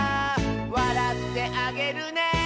「わらってあげるね」